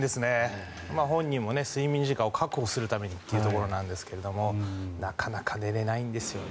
本人も睡眠時間を確保するためにということですがなかなか寝れないんですよね。